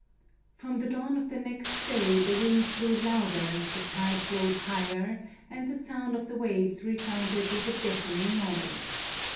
From the dawn of the next day the winds blew louder, the tide flowed higher, and the sound of the waves resounded with a deafening noise.